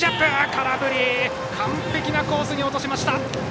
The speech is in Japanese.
完璧なコースに落としました！